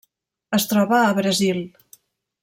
Es troba a Brasil.